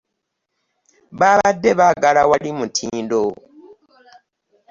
Babadde baagala wali mutindo.